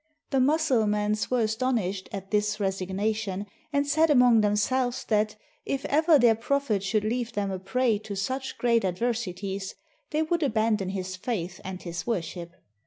The Mussulmans were astonished at this resig nation, and said among themselves that if ever their prophet should leave them a prey to such great adversi ties, they would abandon his faith and his worship.